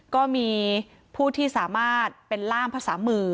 ก็มีผู้ที่สามารถเป็นล่ามภาษามือ